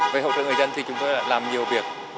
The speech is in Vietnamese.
về hỗ trợ người dân thì chúng tôi đã làm nhiều việc